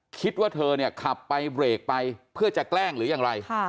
คิดว่าเธอเนี่ยขับไปเบรกไปเพื่อจะแกล้งหรือยังไร